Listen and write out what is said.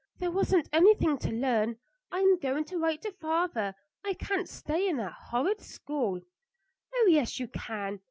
There wasn't anything to learn. I am going to write to father. I can't stay in that horrid school." "Oh, yes, you can.